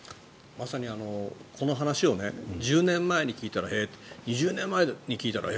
まさにこの話を１０年前に聞いたら、へえ２０年前に聞いたらえ？